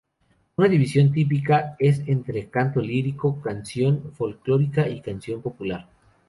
Una división típica es entre canto lírico, canción folclórica y canción popular.